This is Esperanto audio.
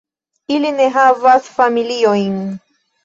Ili ne havas familiojn.